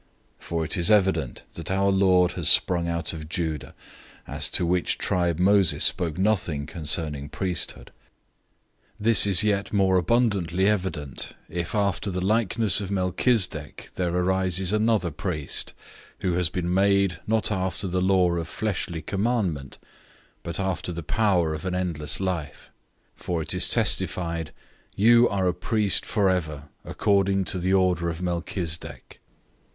007:014 For it is evident that our Lord has sprung out of Judah, about which tribe Moses spoke nothing concerning priesthood. 007:015 This is yet more abundantly evident, if after the likeness of Melchizedek there arises another priest, 007:016 who has been made, not after the law of a fleshly commandment, but after the power of an endless life: 007:017 for it is testified, "You are a priest forever, according to the order of Melchizedek."